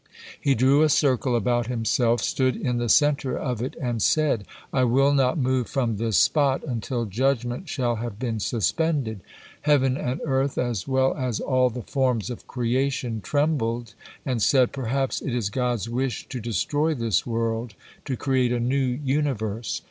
He drew a circle about himself, stood in the center of it, and said, "I will not move from this spot until judgement shall have been suspended." Heaven and earth, as well as all the forms of creation, trembled and said, "Perhaps it is God's wish to destroy this world, to create a new universe."